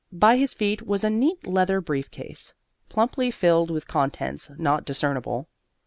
By his feet was a neat leather brief case, plumply filled with contents not discernible.